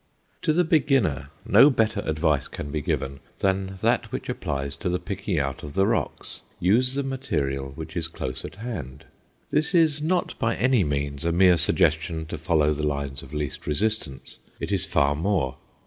To the beginner, no better advice can be given than that which applies to the picking out of the rocks use the material which is close at hand. This is not, by any means, a mere suggestion to follow the lines of least resistance. It is far more.